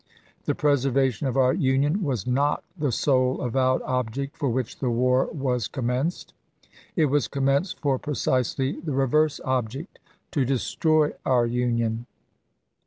The preser vation of our Union was not the sole avowed object for which the war was commenced. It was commenced for precisely the reverse object — to destroy our Union.